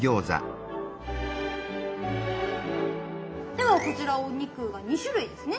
ではこちらお肉が２種類ですね。